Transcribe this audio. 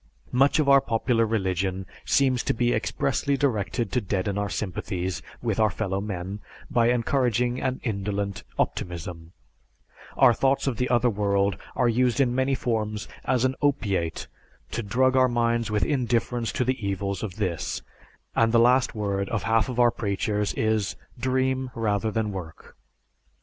Much of our popular religion seems to be expressly directed to deaden our sympathies with our fellow men by encouraging an indolent optimism; our thoughts of the other world are used in many forms as an opiate to drug our minds with indifference to the evils of this; and the last word of half of our preachers is, 'dream rather than work.'"